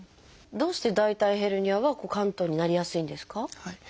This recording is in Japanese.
どうして大腿ヘルニアは嵌頓になりやすいんですか？